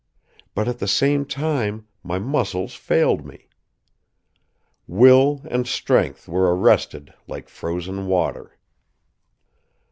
But at the same time my muscles failed me. Will and strength were arrested like frozen water.